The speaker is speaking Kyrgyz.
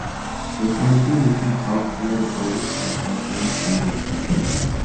Өкмөттүн ишин талкуулоо тогуз саатка чейин созулуп кеткен.